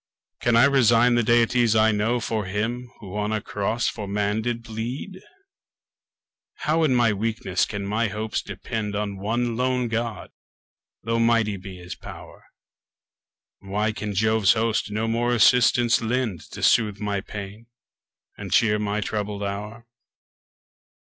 Can I resign the deities I know For him who on a cross for man did bleed? How in my weakness can my hopes depend On one lone God, though mighty be his pow'r? Why can Jove's host no more assistance lend, To soothe my pains, and cheer my troubled hour?